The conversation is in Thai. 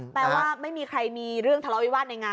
แปลว่าไม่มีใครมีเรื่องทะเลาวิวาสในงาน